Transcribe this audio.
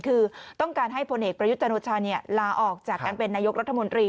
คือต้องการให้พนครประยุจนุชาณ์ลาออกจากการเป็นนายกรัฐมนตรี